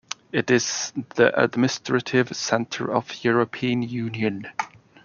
It is the administrative centre of the European Union.